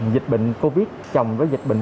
dịch bệnh covid chồng với dịch bệnh